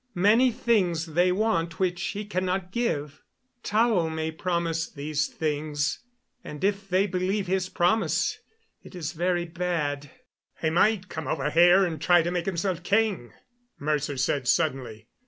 Many things they want which he cannot give. Tao may promise these things and if they believe his promise it is very bad." "He might come over here and try to make himself king," Mercer said suddenly.